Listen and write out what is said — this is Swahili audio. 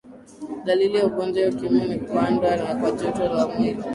dalili za ugonjwa wa ukimwi ni kupanda kwa joto la mwili